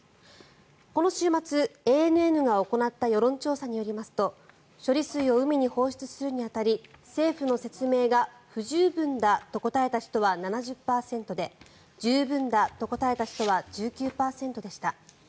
この週末、ＡＮＮが行った世論調査によりますと処理水を海に放出するに当たり政府の説明が不十分だと答えた人は７０％で十分だと答えた人は１９％でした。